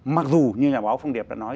mặc dù như nhà báo phong điệp đã nói